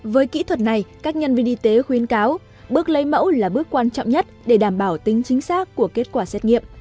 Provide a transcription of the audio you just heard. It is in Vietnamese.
với kỹ thuật này các nhân viên y tế khuyến cáo bước lấy mẫu là bước quan trọng nhất để đảm bảo tính chính xác của kết quả xét nghiệm